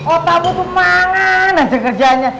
otakmu tuh mangan aja kerjanya